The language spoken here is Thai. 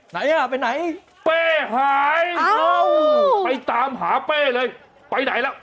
ไหนอ่ะไปไหนเป้หายไปตามหาเป้เลยไปไหนแล้ว